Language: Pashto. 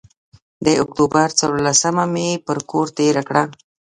د اکتوبر څورلسمه مې پر کور تېره کړه.